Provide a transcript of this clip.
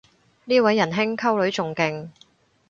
呢位人兄溝女仲勁